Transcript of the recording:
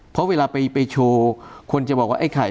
เพราะเวลาไปโชว์คนจะบอกว่าไอ้ไข่